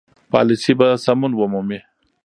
پالیسي به سمون ومومي.